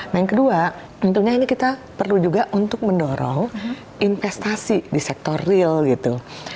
nah yang kedua tentunya ini kita perlu juga untuk mendorong investasi di sektor real gitu